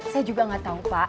saya juga nggak tahu pak